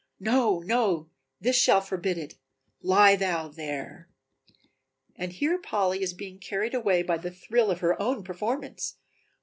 No, no; this shall forbid it: lie thou there " And here Polly is being carried away by the thrill of her own performance.